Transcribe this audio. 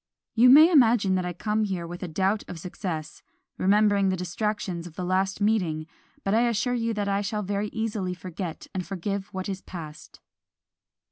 You may imagine that I come here with a doubt of success, remembering the distractions of the last meeting; but I assure you that I shall very easily forget and forgive what is past."